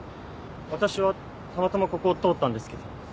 私はたまたまここを通ったんですけど。